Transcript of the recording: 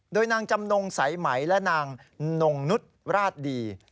โดยนางจำนงสายไหมและนางนงนุษย์ราชดี